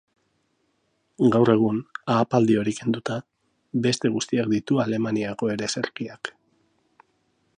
Gaur egun, ahapaldi hori kenduta, beste guztiak ditu Alemaniako ereserkiak.